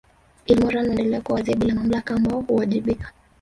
Ilmoran huendelea kuwa wazee bila mamlaka ambao huwajibika